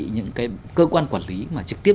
những cái cơ quan quản lý mà trực tiếp